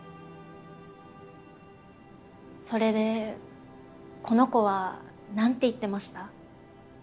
それでこの子は何て言ってました？